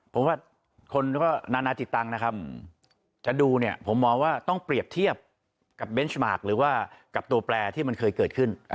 ผมว่าคนก็นานาจิตังนะครับจะดูเนี่ยผมมองว่าต้องเปรียบเทียบกับเบนส์มาร์คหรือว่ากับตัวแปลที่มันเคยเกิดขึ้น